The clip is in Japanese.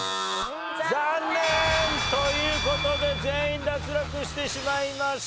残念！という事で全員脱落してしまいました。